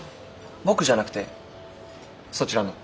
僕じゃなくてそちらの。